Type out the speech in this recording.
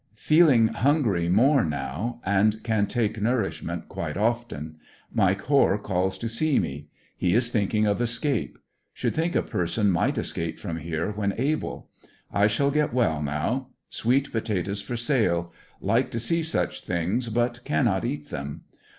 Feeling hun gry more now, and can take nourishment quite often. Mike Hoare calls to see me. He is thinking of escape. Should think a person might escape from here when able. I shall get well now. S^eet potatoes for sale. Like to see such things, but cannot eat them.